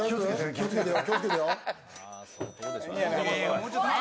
気をつけてよ？